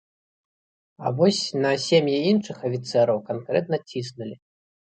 А вось на сем'і іншых афіцэраў канкрэтна ціснулі.